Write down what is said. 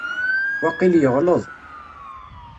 Waqil yeɣleḍ.